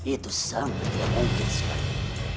itu sangat dianggap sekali